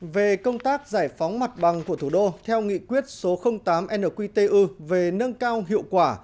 về công tác giải phóng mặt bằng của thủ đô theo nghị quyết số tám nqtu về nâng cao hiệu quả